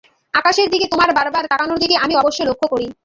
আকাশের দিকে তোমার বার বার তাকানোকে আমি অবশ্য লক্ষ্য করি।